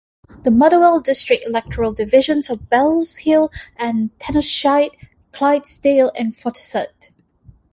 The Motherwell District electoral divisions of Bellshill and Tannochside, Clydesdale, and Fortissat.